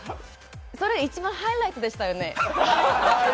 それ、一番ハイライトでしたよね。